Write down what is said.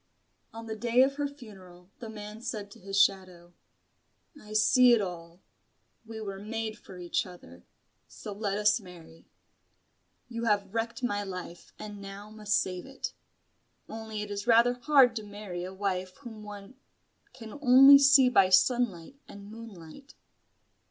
On the day of her funeral, the man said to his shadow "I see it all. We were made for each other, so let us marry. You have wrecked my life and now must save it. Only it is rather hard to marry a wife whom one can only see by sunlight and moonlight."